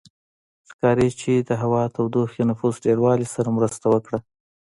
ښکاري چې د هوا تودوخې نفوس ډېروالي سره مرسته وکړه